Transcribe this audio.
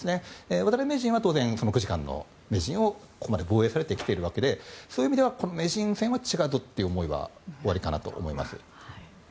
渡辺名人は当然、９時間の名人をここまで防衛されてきているわけでそういう意味ではこの名人戦は違うぞという思いはおありかなと思います。